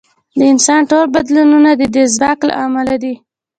د انسان ټول بدلونونه د دې ځواک له امله دي.